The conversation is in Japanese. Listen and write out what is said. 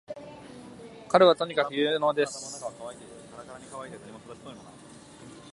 彼はとにかく有能です